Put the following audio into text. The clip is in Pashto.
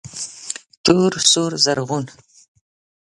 تور، سور، رزغون